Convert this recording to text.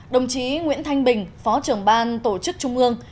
đồng chí nguyễn thanh bình phó trưởng ban tổ chức trung ương